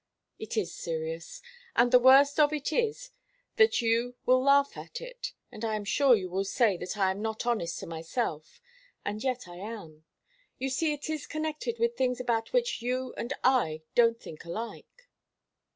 "It is serious. And the worst of it is that you will laugh at it and I am sure you will say that I am not honest to myself. And yet I am. You see it is connected with things about which you and I don't think alike."